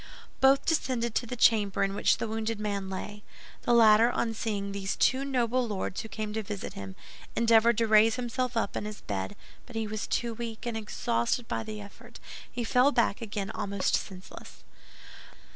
Both descended to the chamber in which the wounded man lay. The latter, on seeing these two noble lords who came to visit him, endeavored to raise himself up in his bed; but he was too weak, and exhausted by the effort, he fell back again almost senseless.